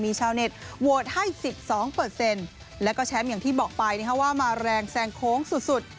มีชาวเน็ตโหวดให้สิบสองเปอร์เซ็นต์แล้วก็แชมป์อย่างที่บอกไปนี่ค่ะว่ามาแรงแสงโค้งสุดสุด